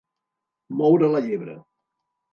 Moure la llebre.